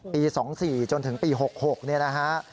ปี๒๔จนถึงปี๖๖เนี่ยนะฮะ